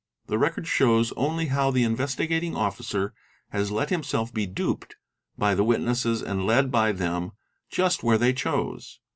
The record shows only how the Investigating Officer | has let himself be duped by the witnesses and led by them just where they — chose.